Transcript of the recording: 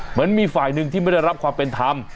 เหมือนมีฝ่ายหนึ่งที่ไม่ได้รับความเป็นธรรม